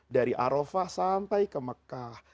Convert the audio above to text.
dari arofah sampai ke mekah